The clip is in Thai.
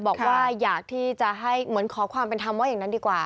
บอกว่าอยากที่จะให้เหมือนขอความเป็นธรรมว่าอย่างนั้นดีกว่า